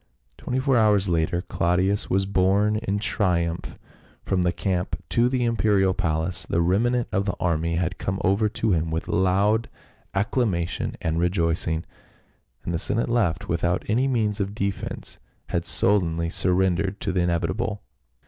Twenty four hours later Claudius was borne in triumph from the camp to the imperial palace ; the remnant of the army had come over to him with loud acclamation and rejoicing, and the senate left without any means of defense had sullenly surrendered to the inevitable.